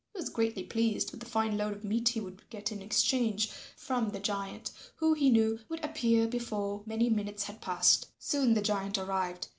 He was greatly pleased with the fine load of meat he would get in exchange from the giant, who, he knew, would appear before many minutes had passed. Soon the giant arrived.